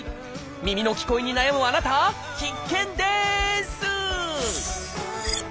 耳の聞こえに悩むあなた必見です！